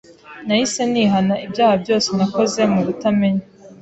Nahise nihana ibyaha byose nakoze mu butamenya,